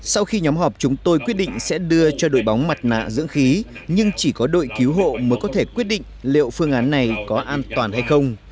sau khi nhóm họp chúng tôi quyết định sẽ đưa cho đội bóng mặt nạ dưỡng khí nhưng chỉ có đội cứu hộ mới có thể quyết định liệu phương án này có an toàn hay không